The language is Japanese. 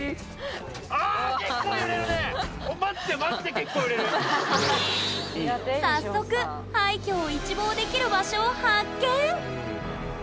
実際に早速廃虚を一望できる場所を発見！